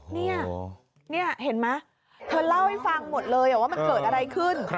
นี่เห็นไหมเธอเล่าให้ฟังหมดเลยว่ามันเกิดอะไรขึ้น